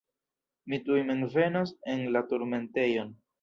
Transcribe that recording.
Mi tuj mem venos en la turmentejon.